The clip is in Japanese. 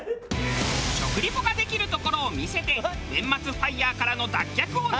食リポができるところを見せて年末ファイヤーからの脱却を狙う！